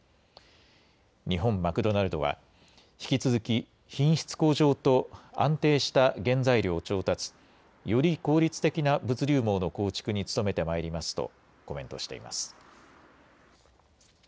日本マクドナルドは引き続き品質向上と安定した原材料調達、より効率的な物流網の構築に努めてまいりますとコメントしています。